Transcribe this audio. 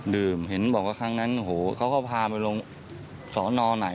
ดื่มเห็นบอกว่าครั้งนั้นโอ้โฮเขาก็พาไปลงศนไหน